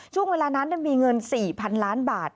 ช่วงเวลานั้นมีเงิน๔๐๐๐ล้านบาท